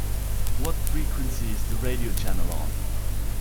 What frequency is the radio channel on?